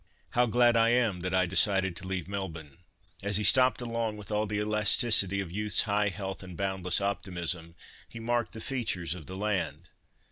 "How glad I am that I decided to leave Melbourne!" As he stepped along with all the elasticity of youth's high health and boundless optimism, he marked the features of the land.